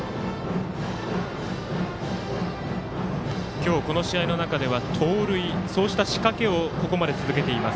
今日、この試合の中では盗塁そういった仕掛けをここまで続けています。